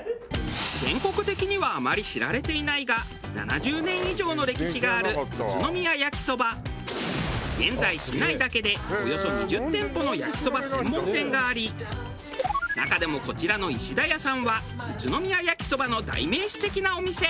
全国的にはあまり知られていないが現在市内だけでおよそ２０店舗の焼きそば専門店があり中でもこちらの石田屋さんは宇都宮やきそばの代名詞的なお店。